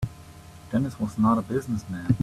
Dennis was not a business man.